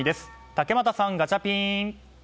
竹俣さん、ガチャピン！